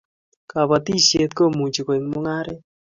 kabatishiet komuchi koek mungaret